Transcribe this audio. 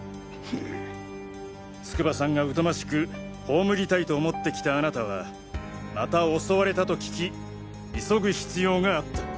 筑波さんが疎ましく葬りたいと思ってきたあなたはまた襲われたと聞き急ぐ必要があった。